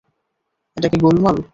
এটা কি গোলমাল?